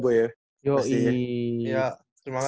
dapet cerita baru juga ya boy ya